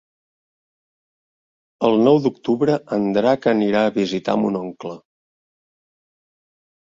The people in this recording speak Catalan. El nou d'octubre en Drac anirà a visitar mon oncle.